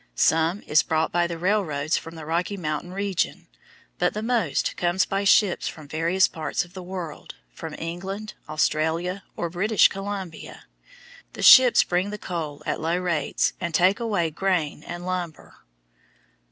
Some is brought by the railroads from the Rocky Mountain region, but the most comes by ships from various parts of the world, from England, Australia, or British Columbia. The ships bring the coal at low rates and take away grain and lumber.